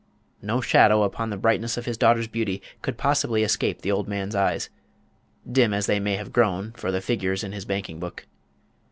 No shadow upon the brightness of his daughter's beauty could possibly escape the old man's eyes, dim as they may have grown for the figures in his banking book.